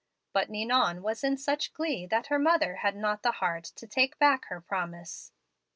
But Ninon was in such glee that her mother had not the heart to take back her promise.